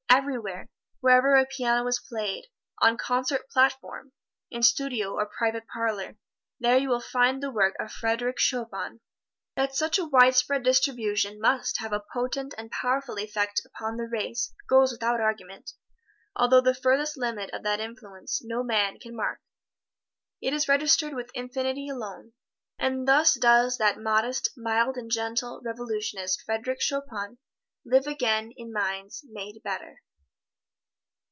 Everywhere wherever a piano is played on concert platform, in studio or private parlor, there you will find the work of Frederic Chopin. That such a widespread distribution must have a potent and powerful effect upon the race goes without argument, although the furthest limit of that influence no man can mark. It is registered with Infinity alone. And thus does that modest, mild and gentle revolutionist Frederic Chopin live again in minds made better.